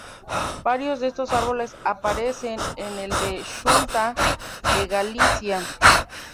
Varios de estos árboles aparecen en el de la Xunta de Galicia.